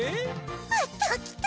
あったーきた！